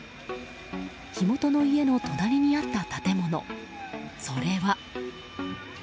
火元の家の隣にあった建物それは。